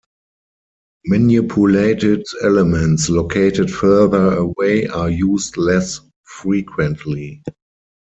Manipulated elements located further away are used less frequently.